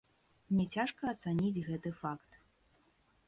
Мне цяжка ацаніць гэты факт.